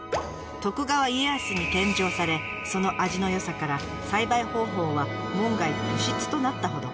徳川家康に献上されその味の良さから栽培方法は門外不出となったほど。